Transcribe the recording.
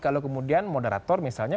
kalau kemudian moderator misalnya